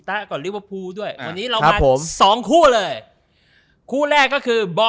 ทำไมครับ